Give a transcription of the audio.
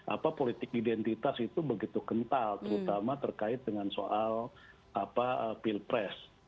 apa politik identitas itu begitu kental terutama terkait dengan soal pilpres